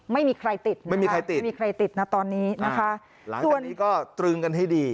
ไม่มีใครติดนะคะตอนนี้นะคะส่วนนี้ก็ตรึงกันให้ดี